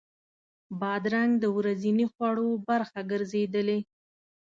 بادرنګ د ورځني خوړو برخه ګرځېدلې.